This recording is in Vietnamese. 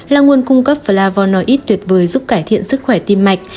là nguồn cung cấp flavonoid tuyệt vời giúp cải thiện sức khỏe tim mạch